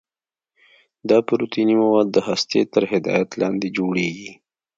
دا پروتیني مواد د هستې تر هدایت لاندې جوړیږي.